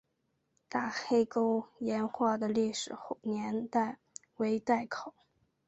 大黑沟岩画的历史年代为待考。